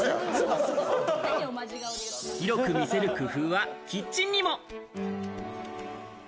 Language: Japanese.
広く見せる工夫はキッチンにも。